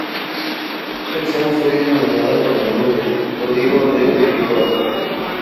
Esta acción fue denominada con el nombre en código de "Proyecto Alfa".